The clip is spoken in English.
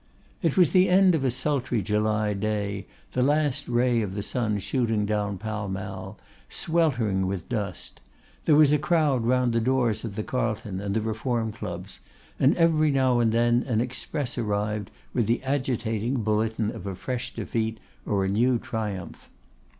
It was the end of a sultry July day, the last ray of the sun shooting down Pall Mall sweltering with dust; there was a crowd round the doors of the Carlton and the Reform Clubs, and every now and then an express arrived with the agitating bulletin of a fresh defeat or a new triumph.